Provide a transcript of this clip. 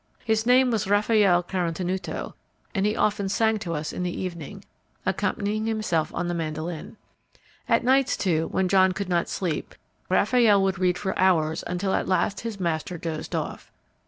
His name was Raffaelle Carotenuto, and he often sang to us in the evening, accompanying himself on the mandoline. At nights, too, when John could not sleep, Raffaelle would read for hours till at last his master dozed off.